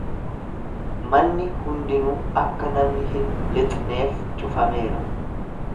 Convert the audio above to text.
Manni hundinuu akka namni hin lixneef cufameera.